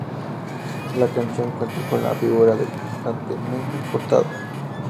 La canción cuenta con la figura de la cantante Nelly Furtado.